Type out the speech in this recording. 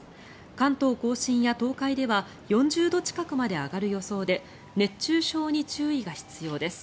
関東・甲信や東海では４０度近くまで上がる予想で熱中症に注意が必要です。